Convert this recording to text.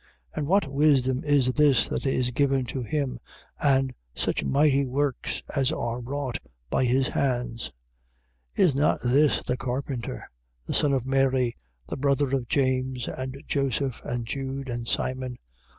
and what wisdom is this that is given to him, and such mighty works as are wrought by his hands? 6:3. Is not this the carpenter, the son of Mary, the brother of James, and Joseph, and Jude, and Simon?